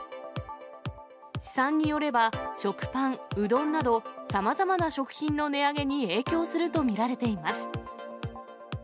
試算によれば、食パン、うどんなど、さまざまな食品の値上げに影響すると見られています。